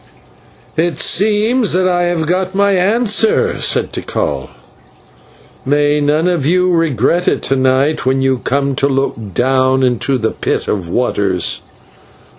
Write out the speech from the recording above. "It seems that I have got my answer," said Tikal. "May none of you regret it to night when you come to look down into the Pit of Waters.